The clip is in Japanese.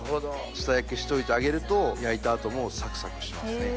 下焼きしといてあげると焼いた後もサクサクしますね。